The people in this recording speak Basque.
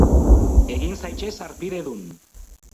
Egin zaitez harpidedun